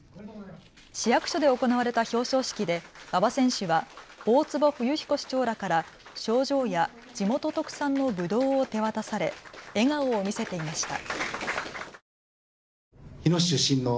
市役所で行われた表彰式で馬場選手は大坪冬彦市長らから賞状や地元特産のぶどうを手渡され笑顔を見せていました。